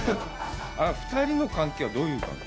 ２人の関係はどういう関係？